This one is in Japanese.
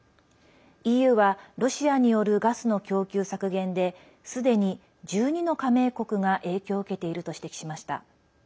ＥＵはロシアによるガスの供給削減ですでに１２の加盟国が影響を受けていると指摘しました。